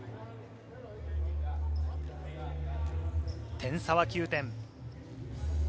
点差は９点。